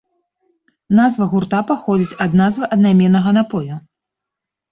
Назва гурта паходзіць ад назвы аднайменнага напою.